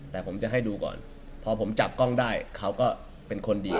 แต่ผมจะให้ดูก่อนพอผมจับกล้องได้เขาก็เป็นคนดี